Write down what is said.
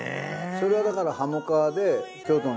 それはだからハモ皮で。